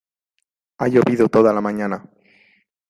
Ha llovido toda la mañana.